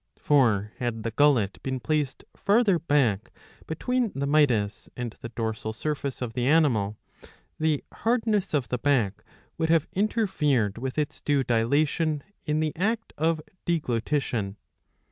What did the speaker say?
For had the gullet been placed farther back, between the mytis and the dorsal surface of the animal, the hardness of the back would have interfered with its due dilatation in the act of deglutition.